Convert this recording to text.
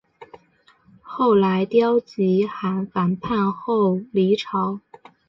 后来刁吉罕反叛后黎朝。